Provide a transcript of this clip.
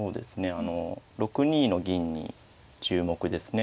あの６二の銀に注目ですね。